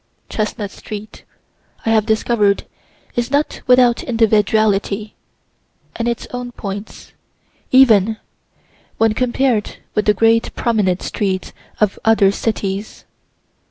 Chestnut street, I have discover'd, is not without individuality, and its own points, even when compared with the great promenade streets of other cities.